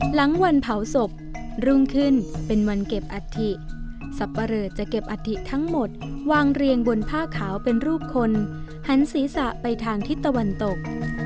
หลังวันเผาศพรุ่งขึ้นเป็นวันเก็บอัฐิสับปะเรอจะเก็บอัฐิทั้งหมดวางเรียงบนผ้าขาวเป็นรูปคนหันศีรษะไปทางทิศตะวันตก